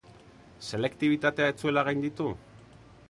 Selektibitatea ez zuela gainditu?